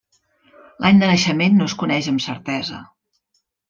L'any de naixement no es coneix amb certesa.